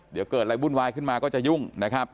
เดี๋ยวเกิดอะไรวุ่นวายขึ้นมาก็จะยุ่งนะครับ